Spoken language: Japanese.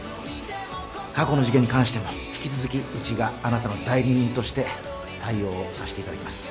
過去の事件に関しても引き続きうちがあなたの代理人として対応をさせていただきます